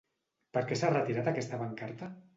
Per què s’ha retirat aquesta pancarta?